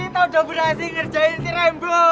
ah kita udah berhasil ngerjain si rembo